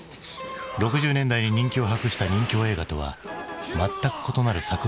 ６０年代に人気を博した任侠映画とは全く異なる作風のものだった。